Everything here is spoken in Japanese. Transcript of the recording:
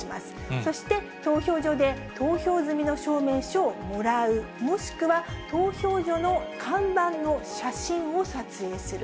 そして投票所で投票済みの証明書をもらう、もしくは投票所の看板の写真を撮影する。